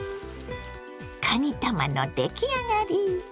かにたまの出来上がり。